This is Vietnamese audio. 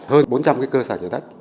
hơn bốn trăm linh cái cơ sở nhà đất